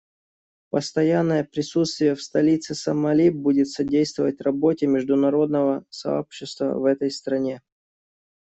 Постоянное присутствие в столице Сомали будет содействовать работе международного сообщества в этой стране.